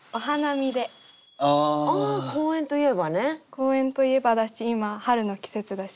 公園といえばだし今春の季節だし。